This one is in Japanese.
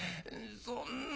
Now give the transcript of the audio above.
「そんな。